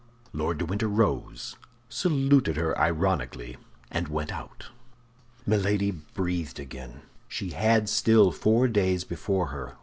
Lord de Winter rose, saluted her ironically, and went out. Milady breathed again. She had still four days before her.